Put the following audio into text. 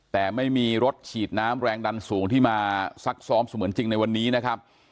แต่ไม่มีรถฉีดน้ำแรงดันสูงที่มาซักซ้อมเสมือนจริงในวันนี้นะครับ